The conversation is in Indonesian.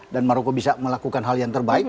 dan maroko bisa melakukan hal yang terbaik